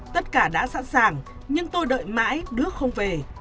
tất cả đã sẵn sàng nhưng tôi đợi mãi nước không về